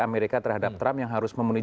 amerika terhadap trump yang harus memenuhi